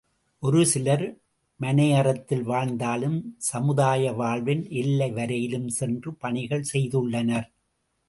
ஒரு சிலர் மனையறத்தில் வாழ்ந்தாலும் சமுதாய வாழ்வின் எல்லை வரையிலும் சென்று பணிகள் செய்துள்ளனர்.